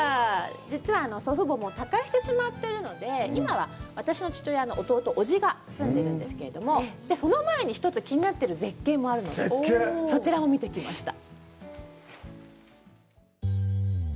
実は祖父母、他界してしまってるので今は私の父親の弟、おじが住んでいるんですけれども、その前に一つ、気になっている絶景もあるので、そちらを見てきました。